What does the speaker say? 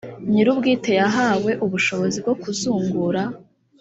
nyirubwite yahawe ubushobozi bwo kuzungura